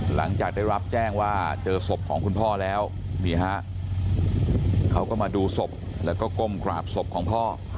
หลังจากได้รับแจ้งว่าเจอศพของคุณพ่อแล้วนี่ฮะเขาก็มาดูศพแล้วก็ก้มกราบศพของพ่อ